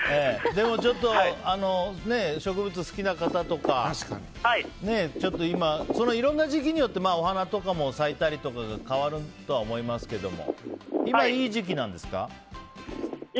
でも、植物好きな方とかいろんな時期によってお花とかも咲いたりとかが変わるとは思いますけども今、いい時期なんですか？